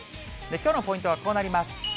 きょうのポイントはこうなります。